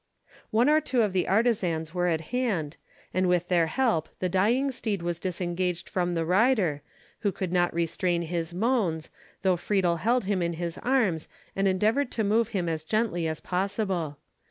One or two of the artisans were at hand, and with their help the dying steed was disengaged from the rider, who could not restrain his moans, though Friedel held him in his arms, and endeavoured to move him as gently as possible.